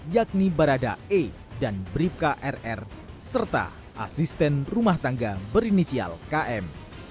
yakni barada e dan bribka rr serta asisten rumah tangga berinisial km